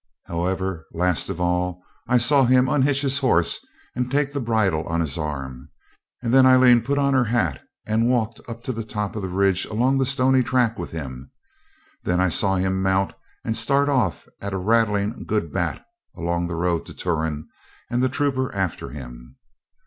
However, last of all I saw him unhitch his horse and take the bridle on his arm, and then Aileen put on her hat and walked up to the top of the ridge along the stony track with him. Then I saw him mount and start off at a rattling good bat along the road to Turon and the trooper after him.